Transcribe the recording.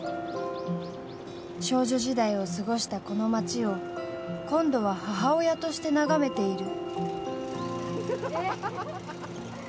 少女時代を過ごしたこの町を今度は母親として眺めている。